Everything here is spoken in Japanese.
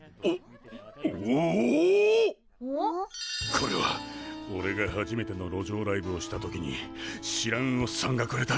これはおれが初めての路上ライブをした時に知らんおっさんがくれた。